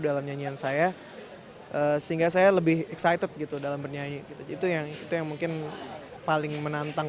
dalam nyanyian saya sehingga saya lebih excited gitu dalam bernyanyi gitu itu yang itu yang mungkin paling menantang